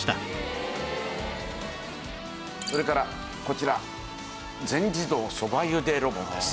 それからこちら全自動そばゆでロボです。